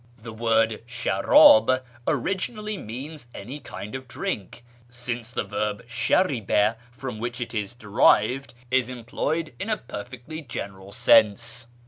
The word shardh originally means any kind of drink, since the verb shariba, from which it is derived, is employed in a per fectly general sense.